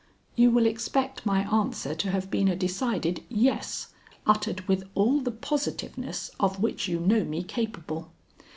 You will expect my answer to have been a decided "Yes," uttered with all the positiveness of which you know me capable.